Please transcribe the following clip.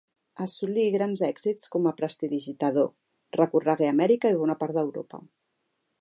Assolí grans èxits com a prestidigitador: recorregué Amèrica i bona part d'Europa.